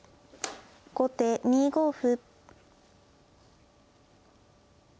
後手２五歩。